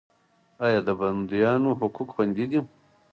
آیا د بندیانو حقوق خوندي دي؟